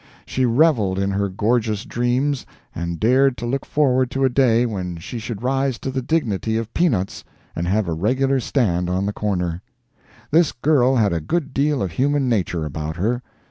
She reveled in her gorgeous dreams, and dared to look forward to a day when she should rise to the dignity of peanuts, and have a regular stand on the corner. This girl had a good deal of human nature about her.